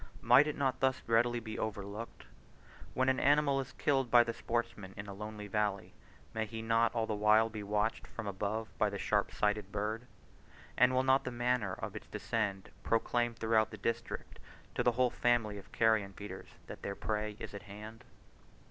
Might it not thus readily be overlooked? When an animal is killed by the sportsman in a lonely valley, may he not all the while be watched from above by the sharp sighted bird? And will not the manner of its descend proclaim throughout the district to the whole family of carrion feeders, that their prey is at hand?